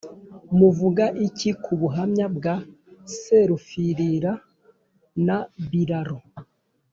wavuga iki ku buhamya bwa serufirira na biraro?